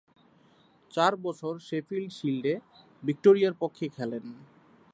চার বছর শেফিল্ড শিল্ডে ভিক্টোরিয়ার পক্ষে খেলেন।